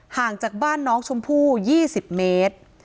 ห่างจากบ้านน้องชมพู่๒๐เมตร